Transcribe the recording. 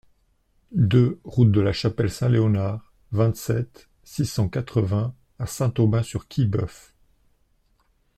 deux route de la Chapelle Saint-Léonard, vingt-sept, six cent quatre-vingts à Saint-Aubin-sur-Quillebeuf